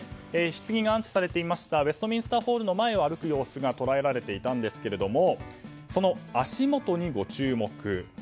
ひつぎが安置されていたウェストミンスターホールの前を歩く姿が捉えられていたんですがその足元にご注目。